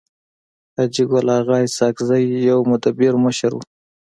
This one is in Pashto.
حاجي ګل اغا اسحق زی يو مدبر مشر وو.